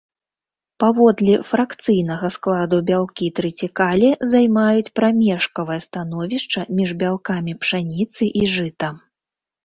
Паводле фракцыйнага складу бялкі трыцікале займаюць прамежкавае становішча між бялкамі пшаніцы і жыта.